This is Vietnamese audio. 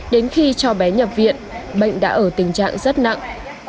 đến khi cho bé nhập viện bệnh đã ở tình trạng rất nặng